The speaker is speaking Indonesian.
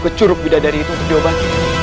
kecurup bidadari itu kejauhan